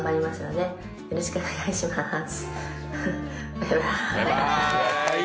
バイバーイ。